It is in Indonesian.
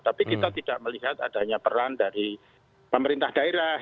tapi kita tidak melihat adanya peran dari pemerintah daerah